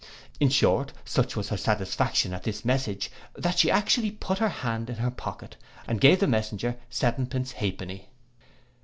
In short, such was her satisfaction at this message, that she actually put her hand in her pocket, and gave the messenger seven pence halfpenny.